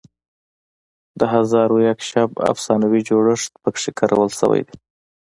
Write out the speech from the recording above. د هزار و یک شب افسانوي جوړښت پکې کارول شوی دی.